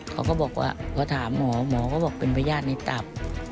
เขาก็บอกว่าพอถามหมอหมอก็บอกเป็นพญาติในตับ